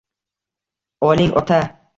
– Oling, ota!